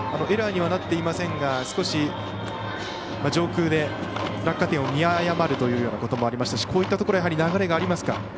エラーにはなっていませんが少し上空で落下点を見誤るといったところもありこういったところやはり流れがありますか？